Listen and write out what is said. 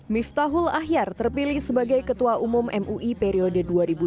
miftahul ahyar terpilih sebagai ketua umum mui periode dua ribu dua puluh dua ribu dua puluh lima